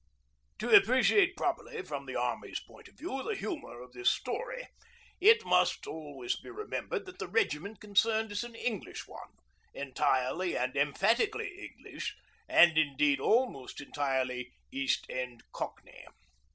To appreciate properly, from the Army's point of view, the humour of this story, it must always be remembered that the regiment concerned is an English one entirely and emphatically English, and indeed almost entirely East End Cockney.